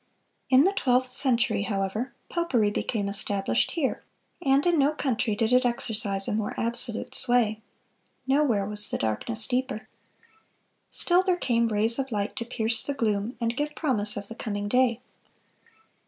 In the twelfth century, however, popery became established here, and in no country did it exercise a more absolute sway. Nowhere was the darkness deeper. Still there came rays of light to pierce the gloom, and give promise of the coming day.